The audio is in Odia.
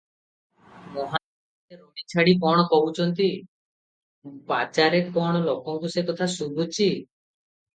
ମହାନ୍ତିଏ ରଡ଼ି ଛାଡ଼ି କଣ କହୁଛନ୍ତି, ବାଜାରେ କଣ ଲୋକଙ୍କୁ ସେ କଥା ଶୁଭୁଛି?